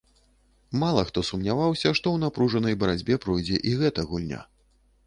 Мала хто сумняваўся, што ў напружанай барацьбе пройдзе і гэта гульня.